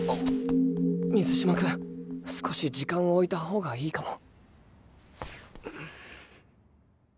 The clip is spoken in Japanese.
水嶋君少し時間をおいた方がいいかも。